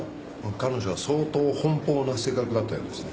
彼女は相当奔放な性格だったようですね。